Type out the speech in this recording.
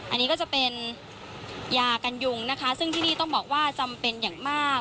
อันนี้ก็จะเป็นยากันยุงนะคะซึ่งที่นี่ต้องบอกว่าจำเป็นอย่างมาก